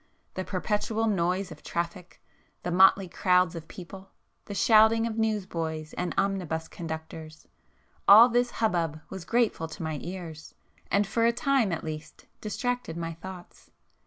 The perpetual noise of traffic, the motley crowds of people, the shouting of news boys and omnibus conductors,—all this hubbub was grateful to my ears, and for a time at least, distracted my thoughts.